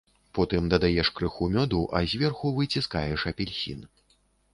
Потым дадаеш крыху мёду, а зверху выціскаеш апельсін.